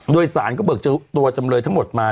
โดยสารก็เบิกตัวจำเลยทั้งหมดมา